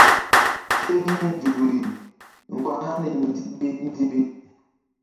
Ke hi̧ nzukri mgba hani ndiɓi ndiɓi.